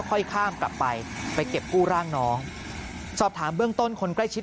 ค่อยข้ามกลับไปไปเก็บกู้ร่างน้องสอบถามเบื้องต้นคนใกล้ชิด